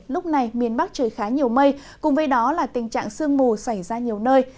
lúc này miền bắc trời khá nhiều mây cùng với đó là tình trạng sương mù xảy ra nhiều nơi